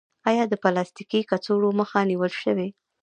آیا د پلاستیکي کڅوړو مخه نیول شوې؟